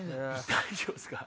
大丈夫っすか？